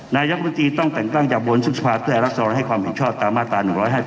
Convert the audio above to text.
นายกรติต้องแต่งตั้งจากบนซึ่งสภาพประเทศรัฐสรรค์ให้ความผิดชอบตามมาตรา๑๕๙